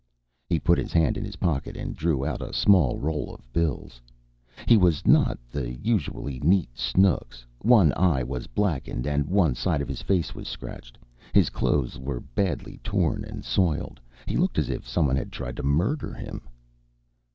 He put his hand in his pocket and drew out a small roll of bills. He was not the usually neat Snooks. One eye was blackened and one side of his face was scratched. His clothes were badly torn and soiled. He looked as if some one had tried to murder him.